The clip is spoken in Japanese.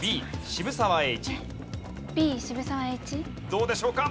どうでしょうか？